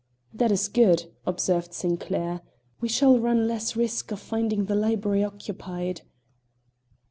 "That is good," observed Sinclair. "We shall run less risk of finding the library occupied."